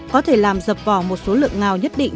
có thể làm dập vỏ một số lượng ngao nhất định